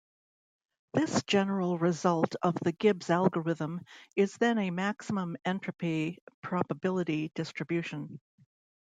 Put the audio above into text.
This general result of the Gibbs algorithm is then a maximum entropy probability distribution.